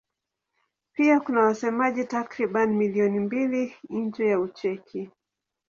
Pia kuna wasemaji takriban milioni mbili nje ya Ucheki.